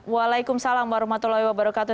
waalaikumsalam warahmatullahi wabarakatuh